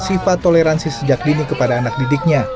sifat toleransi umat beragama khususnya kepada anak sejak dini